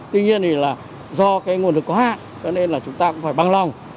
tuy nhiên thì là do cái nguồn lực có hạn cho nên là chúng ta cũng phải băng lòng